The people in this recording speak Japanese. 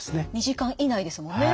２時間以内ですもんね。